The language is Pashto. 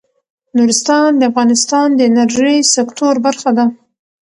نورستان د افغانستان د انرژۍ سکتور برخه ده.